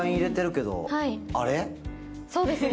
そうですね